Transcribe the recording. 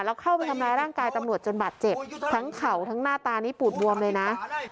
แล้วเข้าไปทำร้ายร่างกายตำรวจจนบาดเจ็บทั้งเข่าทั้งหน้าตานี้ปูดบวมเลยนะ